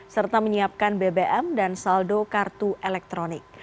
serta menyiapkan bbm dan saldo kartu elektronik